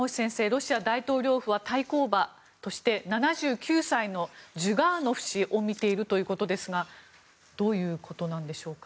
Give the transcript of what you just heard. ロシア大統領府は対抗馬として７９歳のジュガーノフ氏を見ているということですがどういうことなんでしょうか。